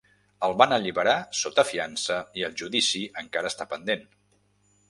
El van alliberar sota fiança i el judici encara està pendent.